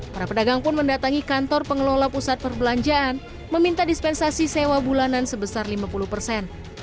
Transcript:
para pedagang pun mendatangi kantor pengelola pusat perbelanjaan meminta dispensasi sewa bulanan sebesar lima puluh persen